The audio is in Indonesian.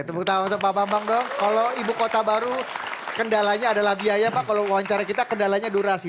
tepuk tangan untuk pak bambang dong kalau ibu kota baru kendalanya adalah biaya pak kalau wawancara kita kendalanya durasi